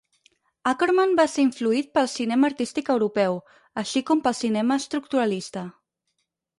Akerman va ser influït pel cinema artístic europeu, així com pel cinema estructuralista.